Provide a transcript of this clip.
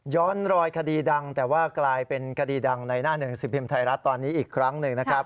รอยคดีดังแต่ว่ากลายเป็นคดีดังในหน้าหนึ่งสิบพิมพ์ไทยรัฐตอนนี้อีกครั้งหนึ่งนะครับ